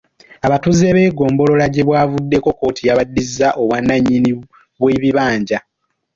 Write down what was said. Abatuuze b’e Golomolo gye buvuddeko kkooti yabaddiza obwannannyini bw’ebibanja.